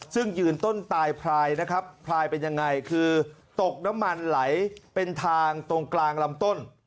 ซึ่งยืนต้นตายพลายนะครับพลายเป็นยังไงคือตกน้ำมันไหลเป็นทางตรงกลางลำต้น